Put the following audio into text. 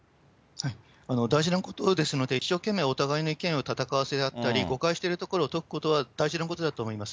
大事なことですので、一生懸命お互いの意見を戦わせ合ったり、誤解してるところを解くことは大事なことだと思います。